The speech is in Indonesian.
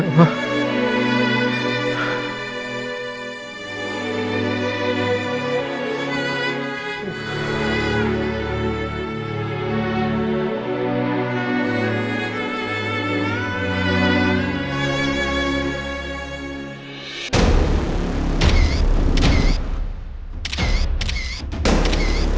aku masih gak percaya ma